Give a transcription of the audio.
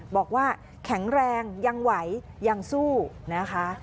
บอกว่าแข็งแรงยังไหวยังสู้นะคะ